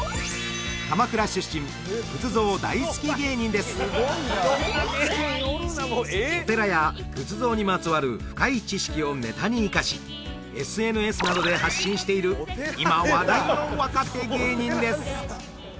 鎌倉出身お寺や仏像にまつわる深い知識をネタに生かしＳＮＳなどで発信している今話題の若手芸人です